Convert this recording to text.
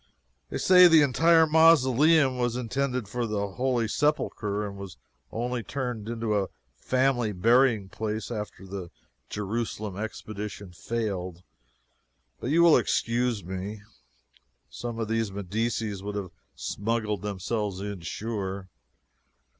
They say the entire mausoleum was intended for the Holy Sepulchre, and was only turned into a family burying place after the Jerusalem expedition failed but you will excuse me. Some of those Medicis would have smuggled themselves in sure.